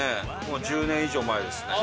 もう１０年以上前ですね。